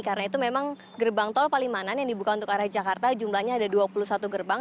karena itu memang gerbang tol palimanan yang dibuka untuk arah jakarta jumlahnya ada dua puluh satu gerbang